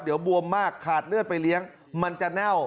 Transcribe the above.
เดี๋ยวบวมมากขาดเลือดไปเลี้ยงมันจะเน่า